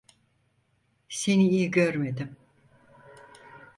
Seni iyi görmedim?